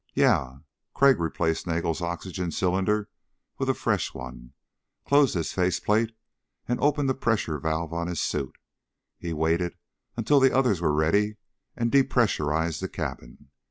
"Yeah." Crag replaced Nagel's oxygen cylinder with a fresh one, closed his face plate and opened the pressure valve on his suit He waited until the others were ready and depressurized the cabin.